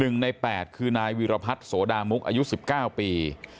๑ใน๘คือนายวิรพัฒน์โสดามุกอายุ๑๙ปี